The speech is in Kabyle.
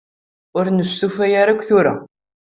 Ur nestufa ara akka tura.